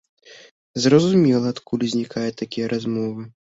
Зразумела, адкуль узнікаюць такія размовы.